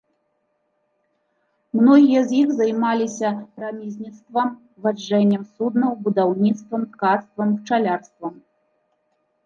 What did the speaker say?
Многія з іх займаліся рамізніцтвам, ваджэннем суднаў, будаўніцтвам, ткацтвам, пчалярствам.